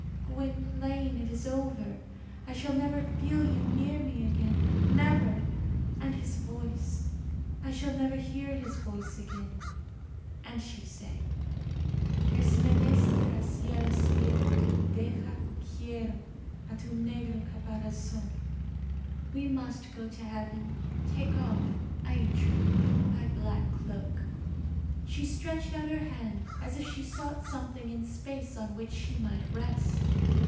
Gwynplaine, it is over. I shall never feel you near me again. Never! And his voice! I shall never hear his voice again. And she sang: "Es menester a cielos ir Deja, quiero, A tu negro Caparazon." "We must go to heaven. Take off, I entreat thee, Thy black cloak." She stretched out her hand, as if she sought something in space on which she might rest.